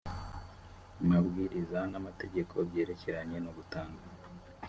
mabwiriza n amategeko byerekeranye no gutanga